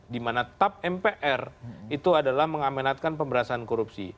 dimana tap mpr itu adalah mengamenatkan pemberantasan korupsi